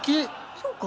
そうか。